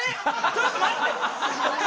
ちょっと待って。